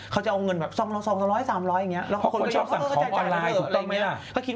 เขาจะเอาเงินแบบ๒๐๐๓๐๐อย่างเงี้ย